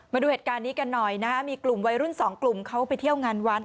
มาดูเหตุการณ์นี้กันหน่อยนะฮะมีกลุ่มวัยรุ่นสองกลุ่มเขาไปเที่ยวงานวัด